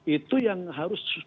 itu yang harus